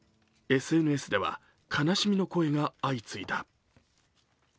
ＳＮＳでは悲しみの声が相次いだ。